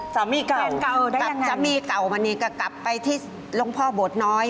สามีเก่าสามีเก่าวันนี้ก็กลับไปที่ลงพ่อบทน้อย